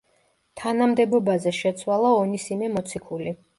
თანამდებობაზე შეცვალა ონისიმე მოციქული.